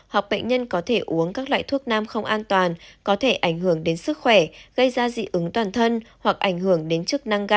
hoặc bệnh nhân có thể uống các loại thuốc nam không an toàn có thể ảnh hưởng đến sức khỏe gây ra dị ứng toàn thân hoặc ảnh hưởng đến chức năng gan